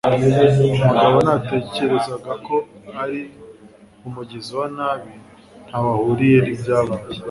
Umugabo natekerezaga ko ari umugizi wa nabi ntaho ahuriye nibyabaye